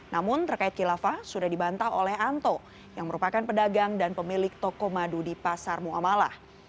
namun terkait kilafah sudah dibantah oleh anto yang merupakan pedagang dan pemilik toko madu di pasar muamalah